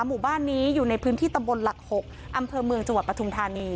หมู่บ้านนี้อยู่ในพื้นที่ตำบลหลัก๖อำเภอเมืองจังหวัดปทุมธานี